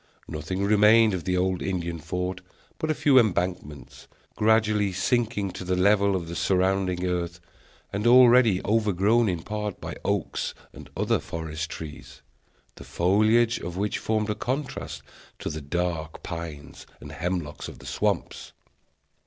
Nothing remained of the old Indian fort but a few embankments, gradually sinking to the level of the surrounding earth, and already overgrown in part by oaks and other forest trees, the foliage of which formed a contrast to the dark pines and hemlocks of the swamps.